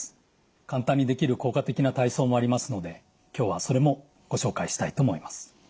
簡単にできる効果的な体操もありますので今日はそれもご紹介したいと思います。